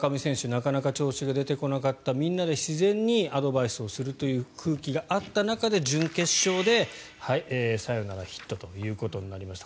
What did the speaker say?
なかなか調子が出てこなかったみんなで自然にアドバイスするという空気がある中で準決勝でサヨナラヒットということになりました。